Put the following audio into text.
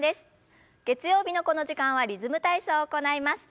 月曜日のこの時間はリズム体操を行います。